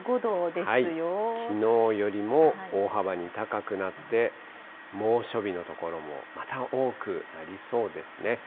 きのうよりも大幅に高くなって、猛暑日の所もまた多くなりそうですね。